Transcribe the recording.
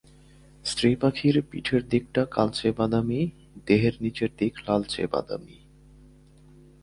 স্ত্রী পাখির পিঠের দিকটা কালচে বাদামি, দেহের নিচের দিক লালচে বাদামি।